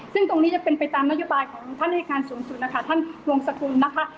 ซึ่งตรงนี้จะเป็นไปตามนโยบายของท่านอายการสูงสุดนะคะท่านวงสกุลนะคะ